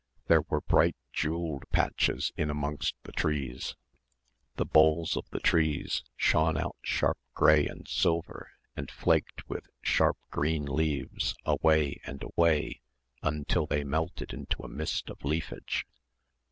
There were bright jewelled patches in amongst the trees; the boles of the trees shone out sharp grey and silver and flaked with sharp green leaves away and away until they melted into a mist of leafage.